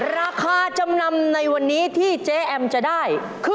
ราคาจำนำในวันนี้ที่เจ๊แอมจะได้คือ